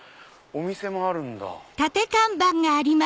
お店もあるんだ。